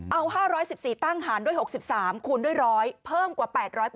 เอา๕๑๔ตั้งหารด้วย๖๓คูณด้วย๑๐๐เพิ่มกว่า๘๐๐